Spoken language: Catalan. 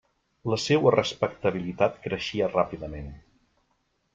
La seua respectabilitat creixia ràpidament.